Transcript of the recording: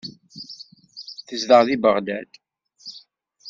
Tezdeɣ deg Beɣdad.